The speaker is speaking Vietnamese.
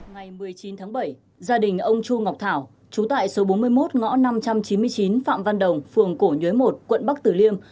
ngày một mươi chín tháng bảy gia đình ông chu ngọc thảo chú tại số bốn mươi một ngõ năm trăm chín mươi chín phạm văn đồng phường cổ nhuế một quận bắc tử liêm